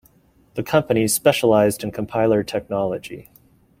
The company specialized in compiler technology.